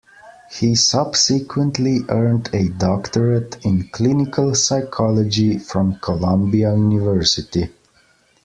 He subsequently earned a doctorate in clinical psychology from Columbia University.